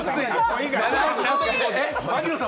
槙野さん